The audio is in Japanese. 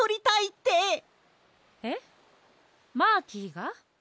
マーキーが？